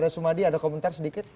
sumadi ada komentar sedikit